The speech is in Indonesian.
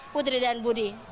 putri dan budi